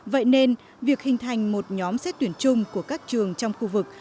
vậy nên việc hình thành một nhóm xét tuyển chung của các trường trong khu vực